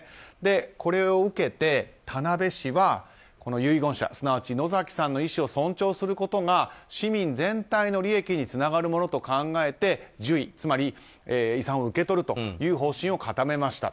これを受けて、田辺市は遺言者、つまり野崎さんの遺志を尊重することが市民全体の利益につながるものと考えて受遺、つまり遺産を受け取るという方針を固めました。